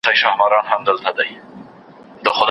کره کتنه او څېړنه باید له یو بل سره ګډ نه سي.